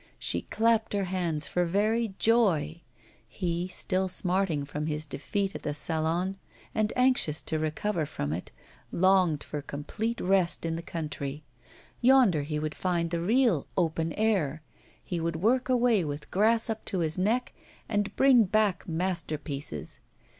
She clapped her hands for very joy. He, still smarting from his defeat, at the Salon, and anxious to recover from it, longed for complete rest in the country; yonder he would find the real 'open air,' he would work away with grass up to his neck and bring back masterpieces.